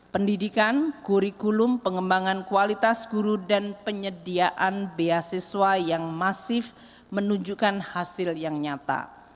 pendidikan kurikulum pengembangan kualitas guru dan penyediaan beasiswa yang masif menunjukkan hasil yang nyata